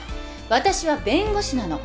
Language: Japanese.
私は弁護士なの。